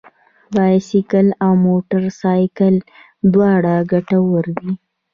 بايسکل او موټر سايکل دواړه ګټور دي.